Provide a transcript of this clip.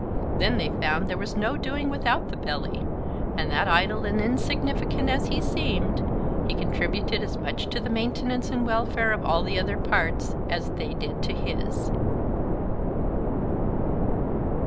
Then they found there was no doing without the Belly, and that, idle and insignificant as he seemed, he contributed as much to the maintenance and welfare of all the other parts as they did to his.